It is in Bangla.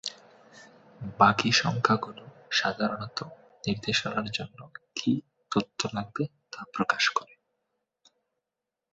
বাকি সংখ্যাগুলো সাধারণত নির্দেশনার জন্য কি তথ্য লাগবে তা প্রকাশ করে।